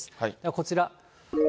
こちら。